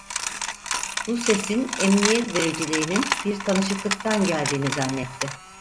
Bu sesin emniyet vericiliğinin bir tanışıklıktan geldiğini zannetti.